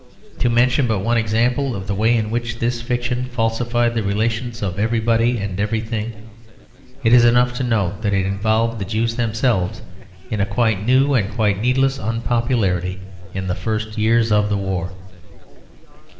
To mention but one example of the way in which this fiction falsified the relations of everybody and everything, it is enough to note that it involved the Jews themselves in a quite new and quite needless unpopularity in the first years of the war.